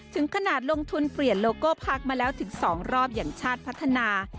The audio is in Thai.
ถึงขนาดลงทุนเปลี่ยนโลโก้พักมาแล้วถึง๒รอบอย่างชาติพัฒนา